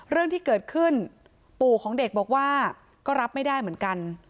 เรื่องที่เกิดขึ้นปู่ของเด็กบอกว่าก็รับไม่ได้เหมือนกัน